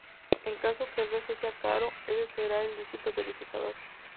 En caso que el resto sea cero, ese será el dígito verificador.